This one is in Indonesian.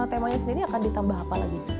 temanya sendiri akan ditambah apa lagi